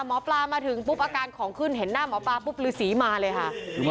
หมอปลามาถึงปุ๊บอาการของขึ้นเห็นหน้าหมอปลาปุ๊บฤษีมาเลยค่ะ